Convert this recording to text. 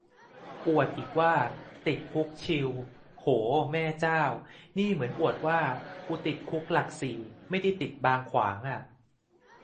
อวดอีกว่าติดคุกชิล โหแม่เจ้า นี่เหมือนอวดว่ากูติดคุกหลักสี่ไม่ได้ติดบางขวางอะ